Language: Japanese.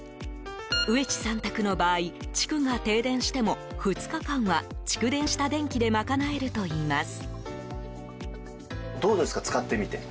上地さん宅の場合地区が停電しても２日間は蓄電した電気で賄えるといいます。